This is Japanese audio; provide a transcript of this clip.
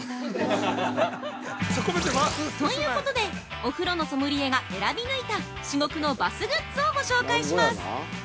◆ということでお風呂のソムリエが選び抜いた至極のバスグッズをご紹介します！